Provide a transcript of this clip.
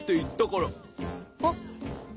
あっ！